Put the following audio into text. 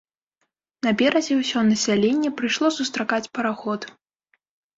На беразе ўсё насяленне прыйшло сустракаць параход.